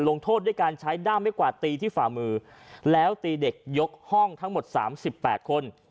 โทษด้วยการใช้ด้ามไม่กวาดตีที่ฝ่ามือแล้วตีเด็กยกห้องทั้งหมด๓๘คน